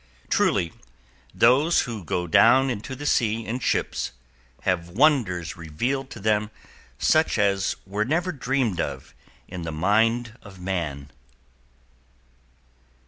Truly, "those who go down into the sea in ships" have wonders revealed to them such as were never dreamed of in the mind of man.